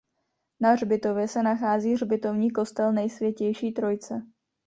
Na hřbitově se nachází hřbitovní kostel Nejsvětější Trojice.